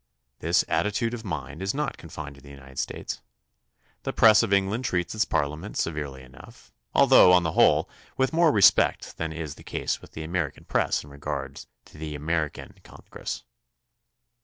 This attitude of mind is not confined to the United States. The press of Eng land treats its Parliament severely enough, although, on the whole, with more respect than is the case with the American press in regard to the American Con gress.